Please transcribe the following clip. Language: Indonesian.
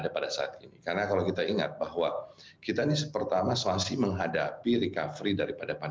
pada saat ini bapak presiden